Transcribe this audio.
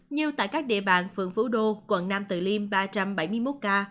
như tại các địa bàn phường phú đô quận nam từ liêm ba trăm bảy mươi một ca